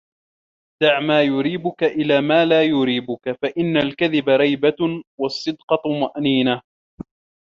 دَعْ مَا يَرِيبُك إلَى مَا لَا يَرِيبُك فَإِنَّ الْكَذِبَ رِيبَةٌ وَالصِّدْقَ طُمَأْنِينَةٌ